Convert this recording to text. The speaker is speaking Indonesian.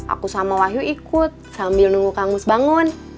aku sama wahyu ikut sambil nunggu kang mus bangun